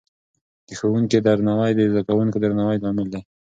د ښوونکې درناوی د زده کوونکو د درناوي لامل دی.